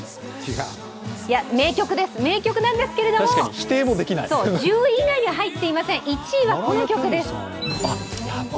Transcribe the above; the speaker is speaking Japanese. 名曲です、名曲なんですけれども１０位以内に入っていない１位はこの曲です。